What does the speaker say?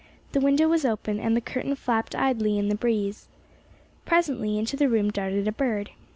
The window was open and the curtain flapped idly in the breeze. Presently into the room darted a bird.